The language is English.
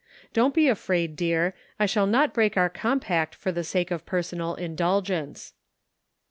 Don't be afraid, dear ; I shall not break our compact for the sake of personal indulgence."